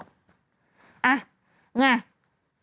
อ่ะไง